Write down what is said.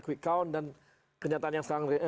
quick count dan kenyataan yang sekarang